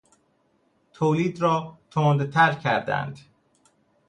تولید را تندتر کردند.